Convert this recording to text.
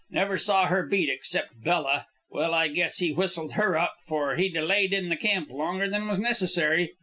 Never saw her beat, excepting Bella. Well, I guess he whistled her up, for he delayed in the camp longer than was necessary.